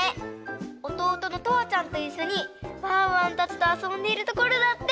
おとうとのとあちゃんといっしょにワンワンたちとあそんでいるところだって。